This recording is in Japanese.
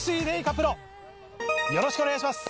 プロよろしくお願いします。